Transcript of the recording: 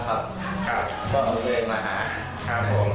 ครับขอบรับมากครับค่ะครับผม